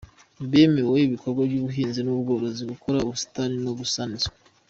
Bemerewe ibikorwa by’ubuhinzi n’ubworozi, gukora ubusitani no gusana inzu.